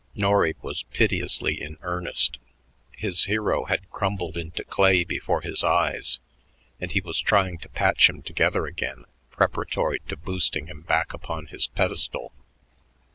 Norry was piteously in earnest. His hero had crumbled into clay before his eyes, and he was trying to patch him together again preparatory to boosting him back upon his pedestal.